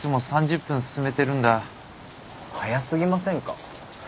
早過ぎませんか？